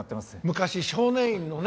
昔少年院のね